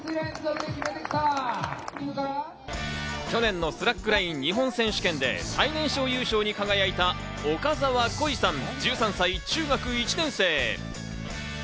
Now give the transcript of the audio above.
去年のスラックライン日本選手権で最年少優勝に輝いた岡澤恋さん、１３歳、中学１年生。